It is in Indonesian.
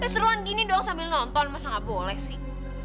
seruan gini dong sambil nonton masa gak boleh sih